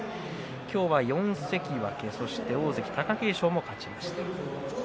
今日は４関脇そして大関の貴景勝も勝ちました。